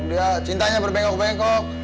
dia cintanya berbengkok bengkok